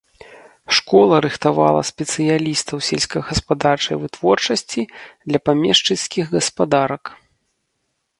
Школа рыхтавала спецыялістаў сельскагаспадарчай вытворчасці для памешчыцкіх гаспадарак.